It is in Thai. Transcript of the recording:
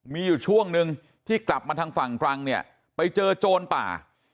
มีอยู่ช่วงนึงที่กลับมาทางฝั่งตรังเนี่ยไปเจอโจรป่า